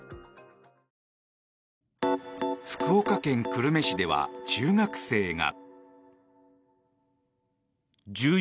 福岡県久留米市では中学生が。